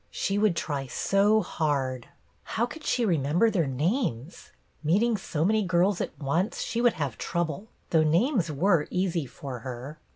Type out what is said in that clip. She would try so hard. How could she remember their names.'* Meeting so many girls at once she would have trouble, though names were easy for her.